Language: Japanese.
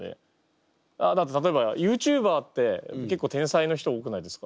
だって例えばＹｏｕＴｕｂｅｒって結構天才の人多くないですか？